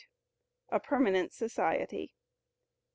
A Permanent Society.